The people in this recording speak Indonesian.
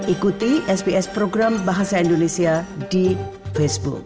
ikuti sps program bahasa indonesia di facebook